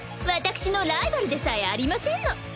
私のライバルでさえありませんの。